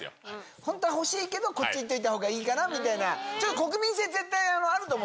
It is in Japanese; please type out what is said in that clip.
本当は欲しいけど、こっちいっといたほうがいいかなみたいな、ちょっと国民性絶対あると思う。